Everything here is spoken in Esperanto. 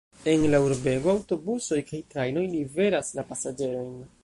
En la urbego aŭtobusoj kaj trajnoj liveras la pasaĝerojn.